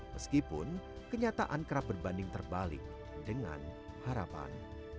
meskipun kenyataan kerap berbanding terbalik dengan harapan